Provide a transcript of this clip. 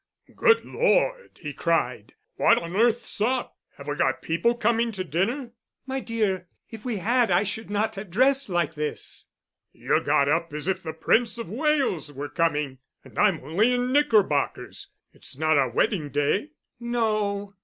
"Good Lord!" he cried. "What on earth's up! Have we got people coming to dinner?" "My dear, if we had, I should not have dressed like this." "You're got up as if the Prince of Wales were coming. And I'm only in knickerbockers. It's not our wedding day?" "No."